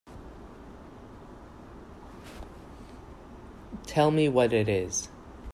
Tell me what it is.